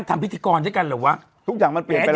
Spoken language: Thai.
ได้ปิดเจอครับพอสมควร